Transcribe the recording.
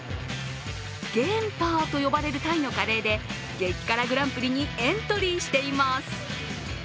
ゲーンパーと呼ばれるタイのカレーで激辛グランプリにエントリーしています。